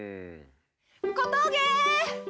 小峠！